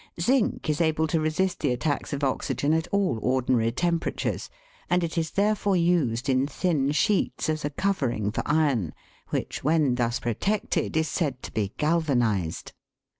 Zinc is able to resist the attacks of oxygen at all ordinary temperatures, and it is therefore used in thin sheets as a covering for iron, which, when thus protected, is said to be galvanised.